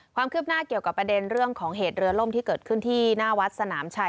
ความคืบหน้าเกี่ยวกับประเด็นเรื่องของเหตุเรือล่มที่เกิดขึ้นที่หน้าวัดสนามชัย